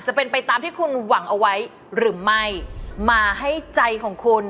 จะเป็นไปตามที่คุณหวังเอาไว้หรือไม่มาให้ใจของคุณ